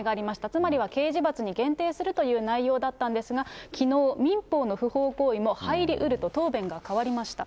つまりは刑事罰に限定するという内容だったんですが、きのう、民法の不法行為も入りうると、答弁が変わりました。